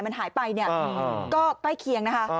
มันหายไปก็ไปเคียงนะคะ